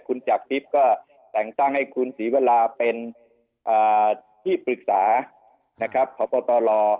คุณจักรทิพย์ก็แต่งตั้งให้คุณศรีวราเป็นที่ปรึกษานะครับพบตร